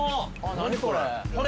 何これ？